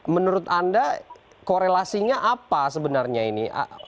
menurut anda korelasinya apa sebenarnya ini